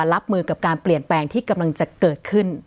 รับมือกับการเปลี่ยนแปลงที่กำลังจะเกิดขึ้น